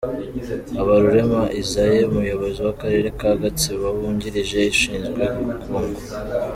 Habarurema Isae, umuyobozi w’akarere ka Gatsibo wungirije ushinzwe ubukungu.